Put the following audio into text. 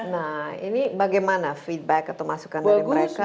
nah ini bagaimana feedback atau masukan dari mereka